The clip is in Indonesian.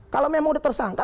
kalau memang sudah tersangka